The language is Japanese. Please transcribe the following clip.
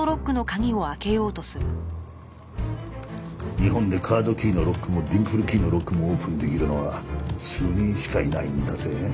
日本でカードキーのロックもディンプルキーのロックもオープンできるのは数人しかいないんだぜ。